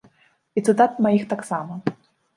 І цытат маіх таксама.